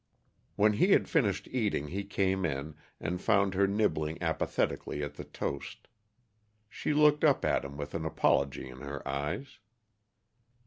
When he had finished eating he came in, and found her nibbling apathetically at the toast. She looked up at him with an apology in her eyes.